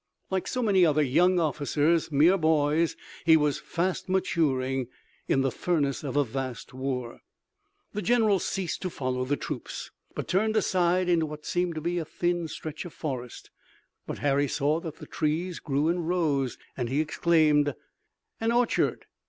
Like so many other young officers, mere boys, he was fast maturing in the furnace of a vast war. The general ceased to follow the troops, but turned aside into what seemed to be a thin stretch of forest. But Harry saw that the trees grew in rows and he exclaimed: "An orchard!"